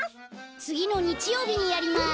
つぎのにちようびにやります。